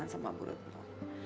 jangan sama bu retno